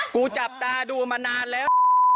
กูจับตาดูมานานแล้ว